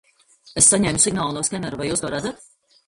Es saņēmu signālu no skenera, vai jūs to redzat?